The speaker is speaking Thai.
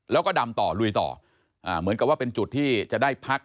แล้วก็ดำต่อลุยต่อเหมือนกับว่าเป็นจุดที่จะได้พัก